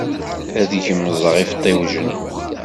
Ad gemẓeɣ ifṭiwjen.